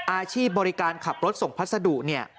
อาชีพบริการขับรถส่งพัสดุเนี่ย